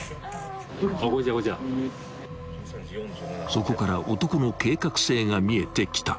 ［そこから男の計画性が見えてきた］